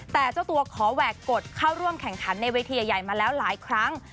แต่เจ้าตัวขอแหวกกฎเข้าร่วมแข่งขันในเวทีใหญ่มาแล้วหลายครั้ง